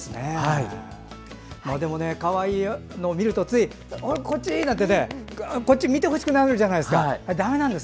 でも、かわいいのを見るとついおい、こっち！なんてこっちを見てほしくなるじゃないですか。